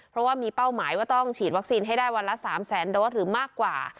เพราะว่ามีเป้าหมายว่าต้องฉีดวัคซีนให้ได้วันละ๓แสนโดสหรือมากกว่า